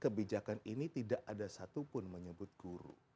kebijakan ini tidak ada satupun menyebut guru